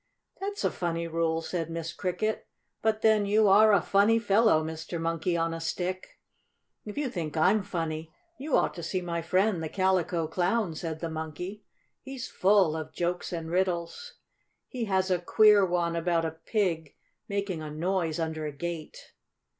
"That's a funny rule," said Miss Cricket. "But then you are a funny fellow, Mr. Monkey on a Stick." "If you think I'm funny, you ought to see my friend, the Calico Clown," said the Monkey. "He's full of jokes and riddles. He has a queer one about a pig making a noise under a gate."